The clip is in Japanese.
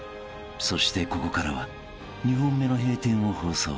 ［そしてここからは２本目の閉店を放送］